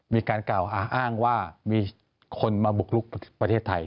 มีการกล่าวอ้างว่ามีคนมาบุกลุกประเทศไทย